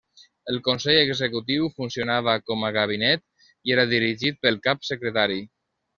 El Consell Executiu funcionava com a Gabinet i era dirigit pel Cap Secretari.